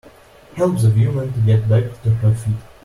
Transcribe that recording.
Help the woman get back to her feet.